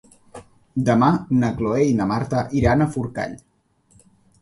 Demà na Cloè i na Marta iran a Forcall.